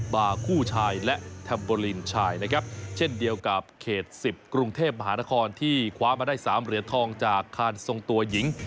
บาร์คู่ชายและแทมเบอร์ลินชายนะครับเช่นเดียวกับเขต๑๐กรุงเทพมหานครที่คว้ามาได้๓เหรียญทองจากคานทรงตัวหญิง